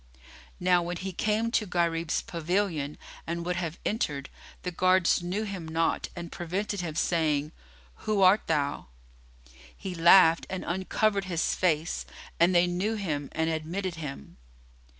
Now when he came to Gharib's pavilion and would have entered, the guards knew him not and prevented him, saying, "Who art thou?" He laughed and uncovered his face, and they knew him and admitted him.